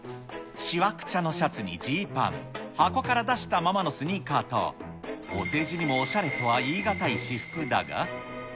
しわくちゃのシャツにジーパン、箱から出したままのスニーカーと、お世辞にもおしゃれとは言い難い私服だが。